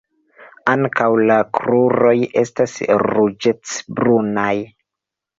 Ankaŭ la kruroj estas ruĝecbrunaj.